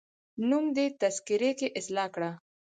نوم دي تذکره کي اصلاح کړه